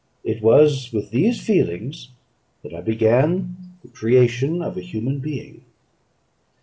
It was with these feelings that I began the creation of a human being.